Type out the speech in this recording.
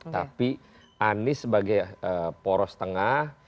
tapi anies sebagai poros tengah